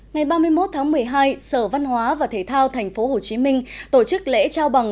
ngày ba mươi một tháng một mươi hai sở văn hóa và thể thao tp hcm tổ chức lễ trao bằng